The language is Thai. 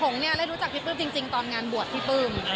ผมเนี่ยได้รู้จักพี่ปลื้มจริงตอนงานบวชพี่ปลื้ม